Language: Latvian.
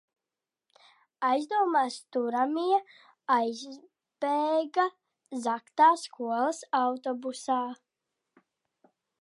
Aizdomās turamie aizbēga zagtā skolas autobusā.